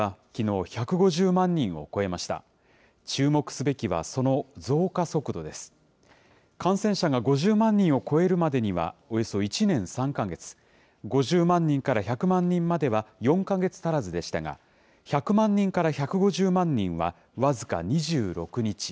感染者が５０万人を超えるまでにはおよそ１年３か月、５０万人から１００万人までは４か月足らずでしたが、１００万人から１５０万人は僅か２６日。